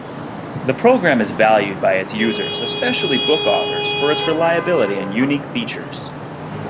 The program is valued by its users-especially book authors-for its reliability and unique features.